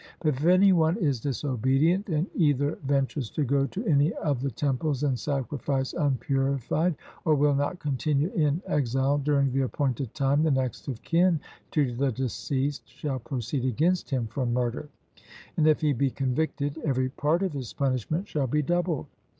But if any one is disobedient, and either ventures to go to any of the temples and sacrifice unpurified, or will not continue in exile during the appointed time, the next of kin to the deceased shall proceed against him for murder; and if he be convicted, every part of his punishment shall be doubled.